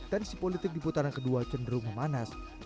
tensi politik di putaran kedua cenderung memanas